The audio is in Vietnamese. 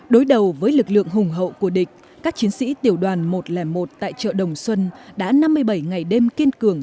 đối đầu với lực lượng hùng hậu của địch các chiến sĩ tiểu đoàn một trăm linh một tại chợ đồng xuân đã năm mươi bảy ngày đêm kiên cường